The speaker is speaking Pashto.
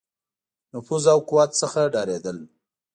نفوذ او قوت څخه ډارېدل.